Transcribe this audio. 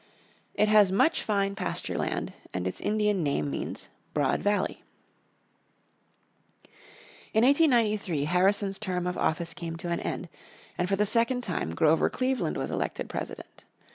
It has much fine pasture land and its Indian name means "broad valley." In 1893 Harrison's term of office came to an end, and for the second time Grover Cleveland was elected President.